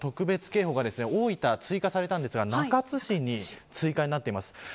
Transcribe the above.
先ほど大雨の特別警報が大分、追加されたんですが中津市に追加になっています。